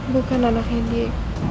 bukan anaknya dia